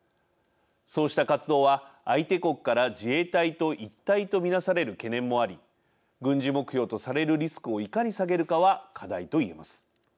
そうした活動は相手国から自衛隊と一体と見なされる懸念もあり軍事目標とされるリスクをいかに下げるかは課題と言えます。